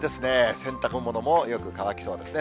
洗濯物もよく乾きそうですね。